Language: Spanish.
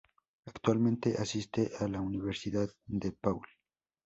Actualmente asiste a la Universidad DePaul.